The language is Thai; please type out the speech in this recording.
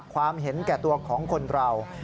ความเห็นแก่ตัวของคนเรา